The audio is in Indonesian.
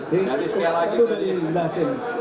jadi sekali lagi tadi